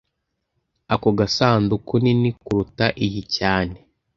Ako gasanduku nini kuruta iyi cyane